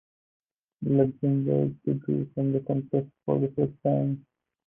Luxembourg withdrew from the contest for the first time.